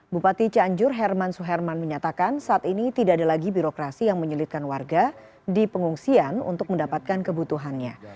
bupati cianjur herman suherman menyatakan saat ini tidak ada lagi birokrasi yang menyulitkan warga di pengungsian untuk mendapatkan kebutuhannya